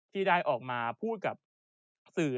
ที่ได้ออกมาพูดกับสื่อ